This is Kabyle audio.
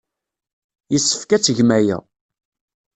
Yessefk ad tgem aya.